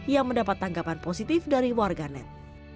yang mendapat tanggapan positif dari warganet